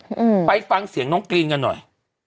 อืมไปฟังเสียงน้องกรีนกันหน่อย